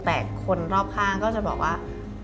แต่คนรอบข้างก็จะบอกว่า